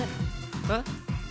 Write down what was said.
えっ？